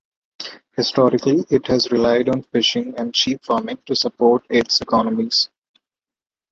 Historically it has relied on fishing and sheep farming to support its economies.